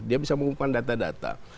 dia bisa mengumpulkan data data